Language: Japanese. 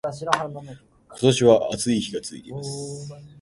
今年は暑い日が続いています